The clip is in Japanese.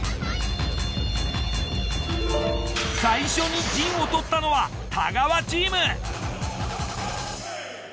最初に陣を取ったのは太川チーム。